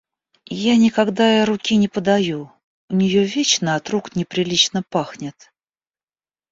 Я никогда ей руки не подаю, у нее вечно от рук неприлично пахнет.